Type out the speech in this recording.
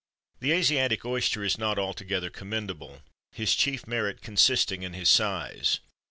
The Asiatic oyster is not altogether commendable, his chief merit consisting in his size.